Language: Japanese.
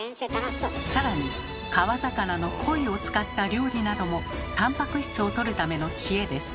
更に川魚の鯉を使った料理などもタンパク質をとるための知恵です。